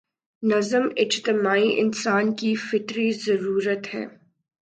نظم اجتماعی انسان کی فطری ضرورت ہے۔